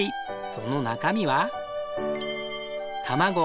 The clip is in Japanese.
その中身は。